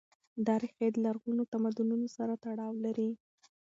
دا ريښې له لرغونو تمدنونو سره تړاو لري.